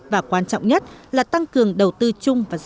và quan trọng nhất là tăng cường đầu tư chung và dài hạn